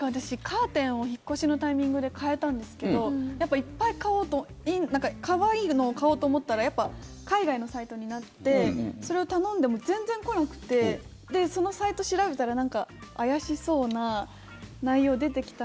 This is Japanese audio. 私、カーテンを引っ越しのタイミングで変えたんですけどいっぱい買おうと可愛いのを買おうと思ったら海外のサイトになってそれを頼んでも全然来なくてそのサイトを調べたらなんか怪しそうな内容出てきたので。